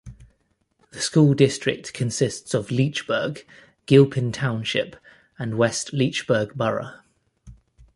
The school district consists of Leechburg, Gilpin Township and West Leechburg Borough.